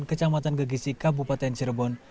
kecamatan gegisi kabupaten cirebon